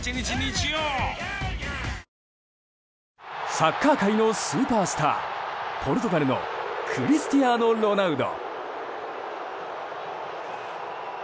サッカー界のスーパースターポルトガルのクリスティアーノ・ロナウド。